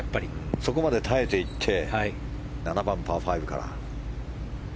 そこまで耐えていって７番、パー５から。